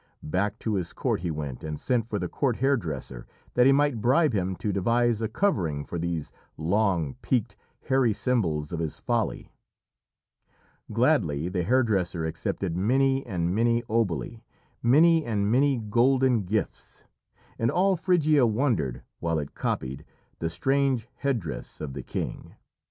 Back to his court he went and sent for the court hairdresser, that he might bribe him to devise a covering for these long, peaked, hairy symbols of his folly. Gladly the hairdresser accepted many and many oboli, many and many golden gifts, and all Phrygia wondered, while it copied, the strange headdress of the king.